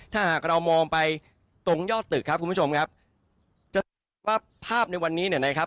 ถ้าหากเรามองไปตรงยอดตึกครับคุณผู้ชมครับจะว่าภาพในวันนี้เนี่ยนะครับ